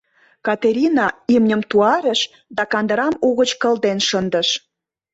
Катерина имньым туарыш да кандырам угыч кылден шындыш.